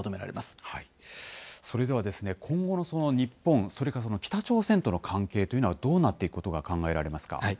それでは、今後の日本、それから北朝鮮との関係というのは、どうなっていくことが考えられま